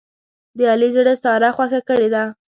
د علي زړه ساره خوښه کړې ده.